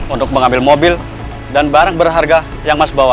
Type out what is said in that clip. untuk mengambil mobil dan barang berharga yang mas bawa